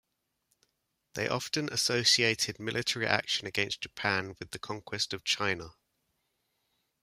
They often associated military action against Japan with the conquest of China.